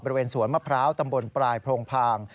บริเวณสวนมะพร้าวตำบลปลายโพรงพาง